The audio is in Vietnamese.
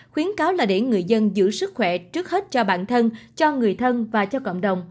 khuyến cáo là để người dân giữ sức khỏe trước hết cho bản thân cho người thân và cho cộng đồng